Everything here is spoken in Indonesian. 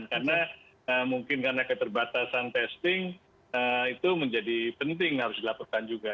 karena mungkin karena keterbatasan testing itu menjadi penting harus dilaporkan juga